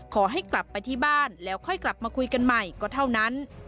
ขอให้กลับไปที่บ้านแล้วค่อยกลับมาคุยกันใหม่ก็เท่านั้น